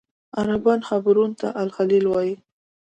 عربان حبرون ته الخلیل وایي.